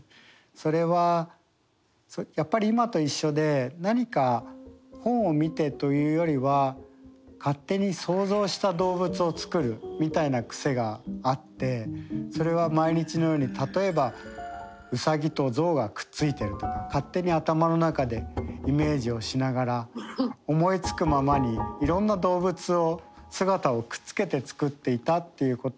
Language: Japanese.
それはやっぱり今と一緒で何か本を見てというよりは勝手に想像した動物を作るみたいな癖があってそれは毎日のように例えばウサギと象がくっついているとか勝手に頭の中でイメージをしながら思いつくままにいろんな動物の姿をくっつけて作っていたということを覚えています。